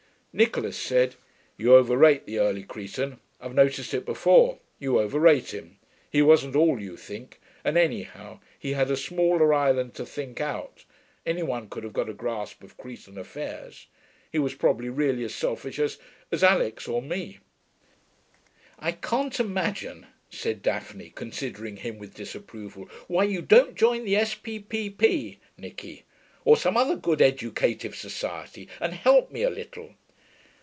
Nicholas said, 'You over rate the early Cretan. I've noticed it before. You over rate him. He wasn't all you think; and anyhow, he had a smaller island to think out; any one could have got a grasp of Cretan affairs. He was probably really as selfish as as Alix, or me.' 'I can't imagine,' said Daphne, considering him with disapproval, 'why you don't join the S.P.P.P., Nicky, or some other good educative society, and help me a little.'